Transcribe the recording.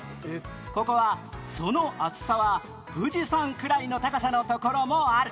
ここは「その厚さは富士山くらいの高さのところもある」